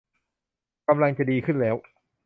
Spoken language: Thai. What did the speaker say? กำลังจะดีขึ้นแล้ว